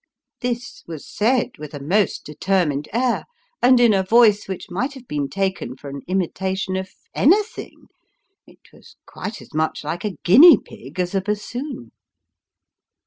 This was said with a most determined air, and in a voice which might have been taken for an imitation of anything ; it was quite as much like a guinea pig as a bassoon.